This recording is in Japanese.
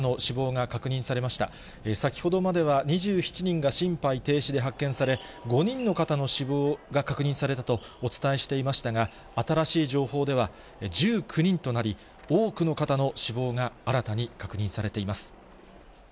先ほどまでは２７人が心肺停止で発見され、５人の方の死亡が確認されたとお伝えしていましたが、新しい情報では１９人となり、多くの方の死亡が新たに確認されています。